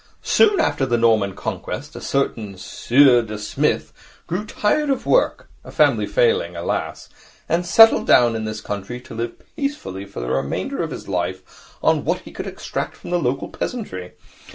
Soon after the Norman Conquest, a certain Sieur de Psmith grew tired of work a family failing, alas! and settled down in this country to live peacefully for the remainder of his life on what he could extract from the local peasantry.